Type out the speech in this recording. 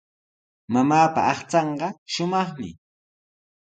Mamaapa aqchanqa shumaqmi.